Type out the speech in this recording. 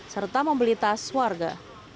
serta mobilitas warga